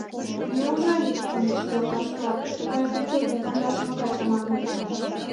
Неужели, манеш, йолташ-влак, тыгай культурный пондашым ода чамане?